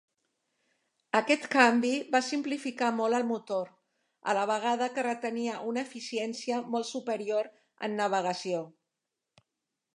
Aquest canvi va simplificar molt el motor, a la vegada que retenia una eficiència molt superior en navegació.